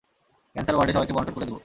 Cancer ওয়ার্ডে সবাইকে বন্টন করে দেবো।